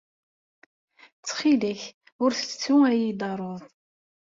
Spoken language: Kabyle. Ttxil-k, ur ttettu ad iyi-d-taruḍ.